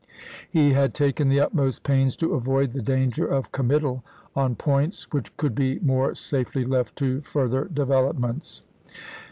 He had taken the utmost pains to avoid the danger of committal on points which could be more safely left to further develop ments.